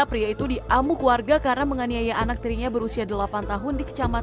perekaman agam penerbangan ini memerlukan contohnya